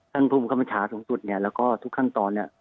ท่านภูมิคำจาสูงจุดเนี่ยแล้วก็ทุกขั้นตอน